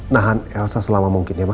nahan elsa selama mungkin ya mas